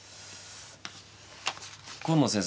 紺野先生